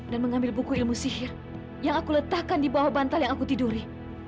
dan mengambil buku ilmu sihir yang aku letakkan di bawah bantal yang aku tiduri